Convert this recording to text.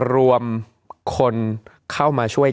รวมคนเข้ามาช่วย